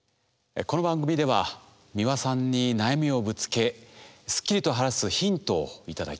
この番組では美輪さんに悩みをぶつけすっきりと晴らすヒントを頂きます。